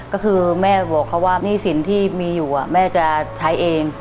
ก็คือแม่บอกเขาว่าหนี้สินที่มีอยู่แม่จะใช้เอง